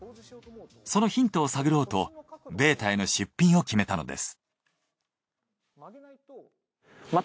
そのヒントを探ろうとベータへの出品を決めたのです。